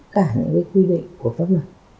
tất cả những cái quy định của pháp luật